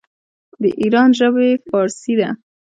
د ایران ژبې فارسي ده.